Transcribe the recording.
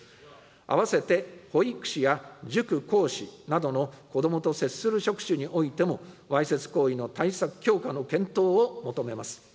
併せて保育士や塾講師などの子どもと接する職種においても、わいせつ行為の対策強化の検討を求めます。